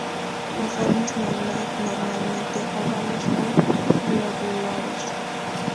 Con formas normalmente ovales o globulares.